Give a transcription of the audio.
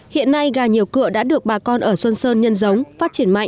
hiện nay gà nhiều cựa đã được bà con ở xuân sơn nhân giống phát triển mạnh